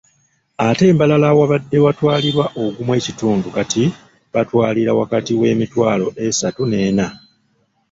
Ate e Mbarara awabadde watwalirwa ogumu ekitundu kati batambulira wakati w’emitwalo esatu n'ena.